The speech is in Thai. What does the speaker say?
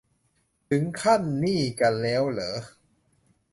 ถึงขั้นนี่กันแล้วเหรอ